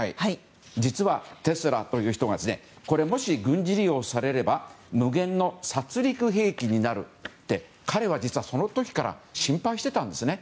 実はテスラという人がもし、軍事利用されれば無限の殺戮兵器になるって彼はその時から心配してたんですね。